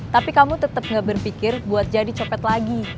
tapi kamu tetap gak berpikir buat jadi copet lagi